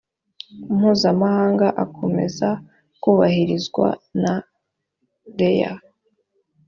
mpuzamahanga akomeza kubahirizwa na rlea